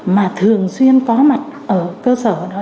mà thường xuyên có mặt ở cơ sở đó